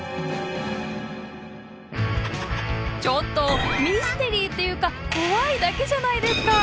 ちょっとミステリーっていうか怖いだけじゃないですか！